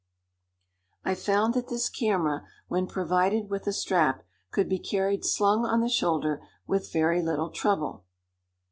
I found that this camera, when provided with a strap, could be carried slung on the shoulder with very little trouble.